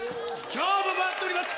今日も回っております！